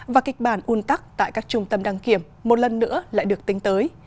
và kịch bản un tắc tại các trung tâm đăng kiểm một lần nữa lại được tính tới